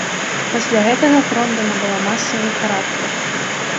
Пасля гэтага фронда набыла масавы характар.